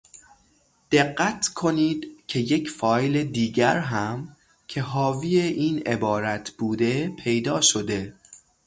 دقت کنید که یک فایل دیگر هم که حاوی این عبارت بوده پیدا شده.